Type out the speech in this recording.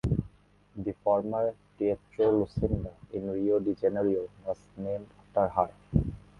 The former "Teatro Lucinda" in Rio de Janeiro was named after her.